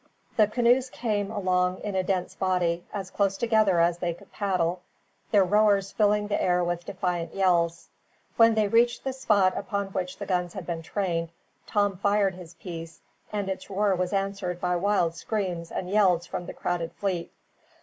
The canoes came along in a dense body, as close together as they could paddle, their rowers filling the air with defiant yells. When they reached the spot upon which the guns had been trained Tom fired his piece, and its roar was answered by wild screams and yells from the crowded fleet.